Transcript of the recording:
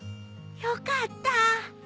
よかった。